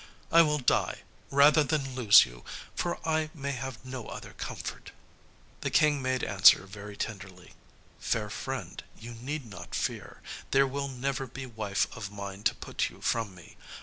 I will die, rather than lose you, for I may have no other comfort." The King made answer very tenderly, "Fair friend, you need not fear. There will never be wife of mine to put you from me.